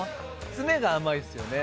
詰めが甘いですよね。